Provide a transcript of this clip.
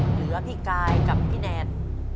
เหลือพี่กายกับพี่แนน